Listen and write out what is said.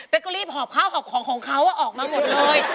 ก็รีบหอบข้าวหอบของของเขาออกมาหมดเลย